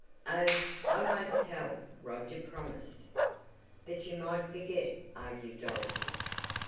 "Oh, I won't tell," Roger promised. "But you might forget," argued Dorothy.